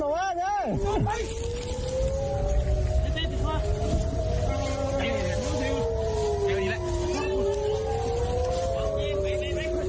ระวังเตรียม